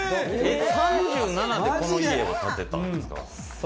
３７でこの家を建てたんですか？